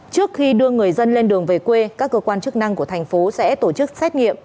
trước khi đưa người dân lên đường về quê các cơ quan chức năng của thành phố sẽ tổ chức xét nghiệm